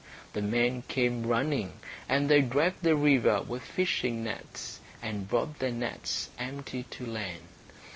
The men came running, and they dragged the river with fishing nets, and brought their nets empty to land.